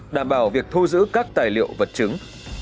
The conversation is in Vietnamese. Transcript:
đảm bảo việc thu giữ các tài liệu vật chứng